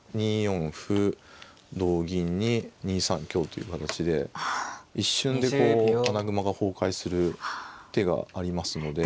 同銀に２三香という形で一瞬で穴熊が崩壊する手がありますので。